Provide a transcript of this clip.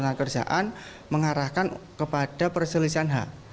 ketenaga kerjaan mengarahkan kepada perselisihan hak